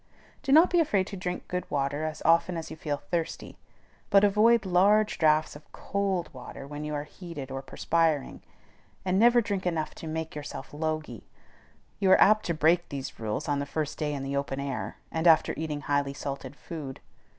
Do not be afraid to drink good water as often as you feel thirsty; but avoid large draughts of cold water when you are heated or are perspiring, and never drink enough to make yourself logy. You are apt to break these rules on the first day in the open air, and after eating highly salted food.